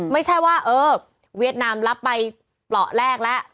ไม่ใช่ว่าเออเวียดนามรับไปปแรกละ